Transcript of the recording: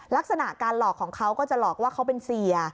ลักษณะการหลอกของเขาก็จะหลอกว่าเขาเป็นเสีย